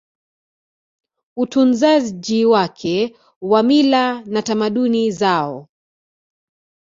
utunzaji wake wa mila na tamaduni zao